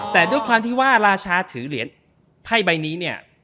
แต่ด้วยความที่ว่าราชาถือเหรียญไพ่ใบนี้เนี่ย